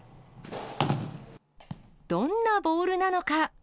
どんなボールなのか。